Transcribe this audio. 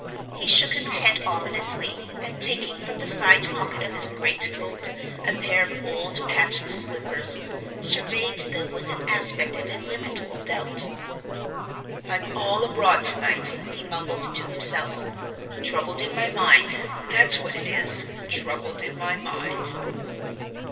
He shook his head ominously, and, taking from the side pocket of his great coat a pair of old patched slippers, surveyed them with an aspect of illimitable doubt. "I'm all abroad to night," he mumbled to himself. "Troubled in my mind—that's what it is—troubled in my mind."